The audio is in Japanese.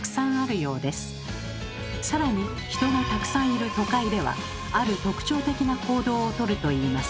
さらに人がたくさんいる都会ではある特徴的な行動を取るといいます。